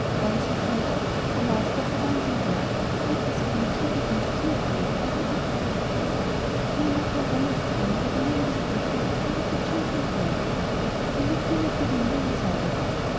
"Once/* he said, *'the Master of a dancing bear tied his great shaggy beast to a tree while he ate his supper. In an upper room of the inn where the man was eating, three little children played. I looked in at the window and saw them.